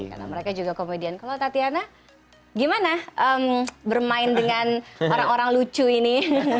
karena mereka juga komedian kalau tatiana gimana bermain dengan orang orang lucu ini